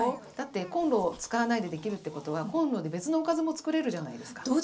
だってこんろを使わないでできるってことはこんろで別のおかずも作れるじゃないですか。